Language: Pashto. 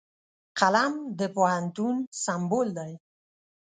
قلم د پوهنتون سمبول دی